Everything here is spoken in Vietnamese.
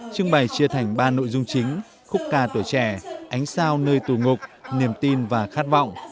trưng bày chia thành ba nội dung chính khúc ca tuổi trẻ ánh sao nơi tù ngục niềm tin và khát vọng